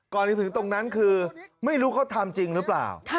ถึงตรงนั้นคือไม่รู้เขาทำจริงหรือเปล่า